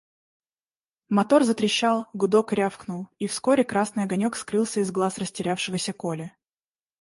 Мотор затрещал, гудок рявкнул, и вскоре красный огонек скрылся из глаз растерявшегося Коли.